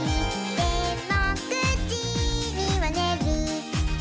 「でも９じにはねる」